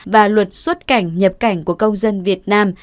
và luật xuất cảnh nhập cảnh của công dân việt nam